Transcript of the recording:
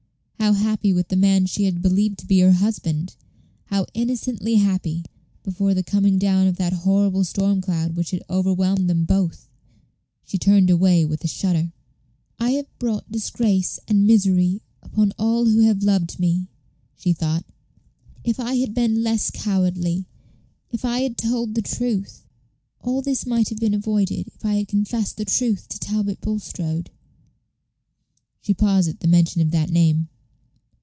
how happy with the man she had believed to be her husband! how innocently happy before the coming down of that horrible storm cloud which had overwhelmed them both! She turned away with a shudder. "I have brought disgrace and misery upon all who have loved me," she thought. "If I had been less cowardly if I had told the truth all this might have been avoided if I had confessed the truth to Talbot Bulstrode." She paused at the mention of that name.